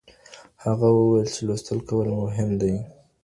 هغه وويل چي لوستل کول مهم دي.